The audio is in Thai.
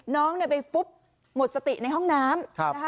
น้องไปฟุบหมดสติในห้องน้ำ